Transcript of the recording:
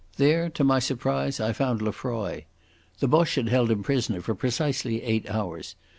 There to my surprise I found Lefroy. The Boche had held him prisoner for precisely eight hours.